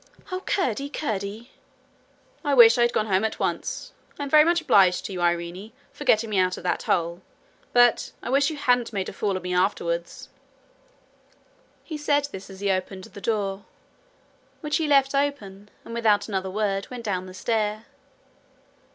'Oh, Curdie! Curdie!' 'I wish I had gone home at once. I'm very much obliged to you, Irene, for getting me out of that hole, but I wish you hadn't made a fool of me afterwards.' He said this as he opened the door, which he left open, and, without another word, went down the stair.